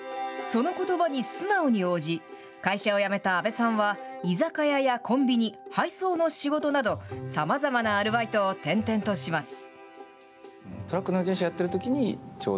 そのことばに素直に応じ、会社を辞めた阿部さんは、居酒屋やコンビニ、配送の仕事など、さまざまなアルバイトを転々とします。